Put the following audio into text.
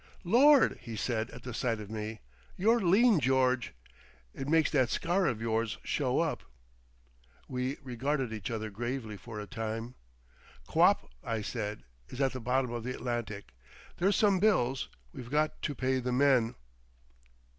"Lord!" he said at the sight of me. "You're lean, George. It makes that scar of yours show up." We regarded each other gravely for a time. "Quap," I said, "is at the bottom of the Atlantic. There's some bills—We've got to pay the men."